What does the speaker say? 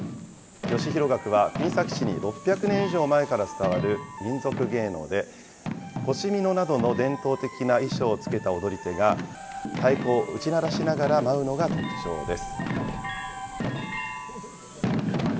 吉弘楽は、国東市に６００年以上前から伝わる民俗芸能で、腰みのなどの伝統的な衣装を着けた踊り手が、太鼓を打ち鳴らしながら舞うのが特徴です。